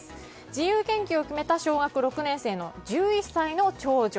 自由研究を決めた小学校６年生の１１歳の長女。